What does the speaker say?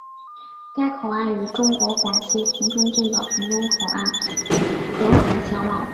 该口岸与中国广西峒中镇的峒中口岸隔河相望。